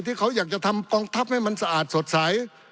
ที่เขาอยากจะทำกองทัพให้มันสะอาดสดใส